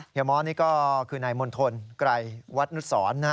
เฮียมอร์นี่ก็คือนายมณฑลไกรวัดนุษศ์นะฮะ